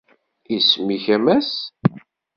Isem-ik, a Mass?